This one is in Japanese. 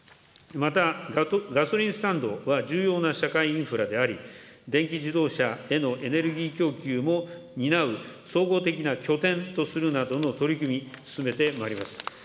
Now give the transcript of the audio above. また、ガソリンスタンドは重要な社会インフラであり、電気自動車へのエネルギー供給も担う総合的な拠点とするなどの取り組み、進めてまいります。